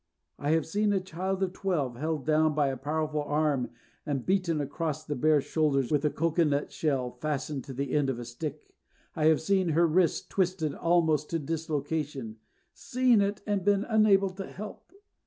I have seen a child of twelve held down by a powerful arm and beaten across the bare shoulders with a cocoa nut shell fastened to the end of a stick; I have seen her wrists twisted almost to dislocation seen it, and been unable to help.